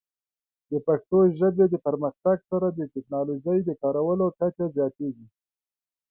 د پښتو ژبې د پرمختګ سره، د ټیکنالوجۍ د کارولو کچه زیاتېږي.